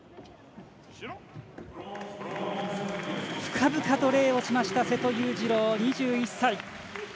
深々と礼をしました瀬戸勇次郎、２１歳。